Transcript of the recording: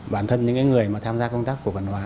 bản thân những người mà tham gia công tác cổ phần hóa